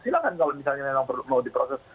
silahkan kalau misalnya memang mau diproses